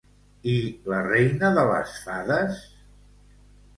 I la Reina de les Fades?